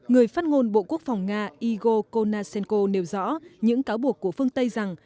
người phát ngôn bộ quốc phòng nga igo konashenko nêu rõ những cáo buộc của phương tây rằng